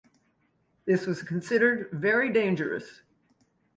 This was considered very dangerous.